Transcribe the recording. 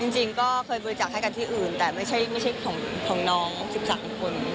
จริงก็เคยบริจาคให้กันที่อื่นแต่ไม่ใช่ของน้อง๑๓คน